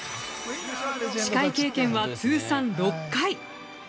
司会経験は通算６回。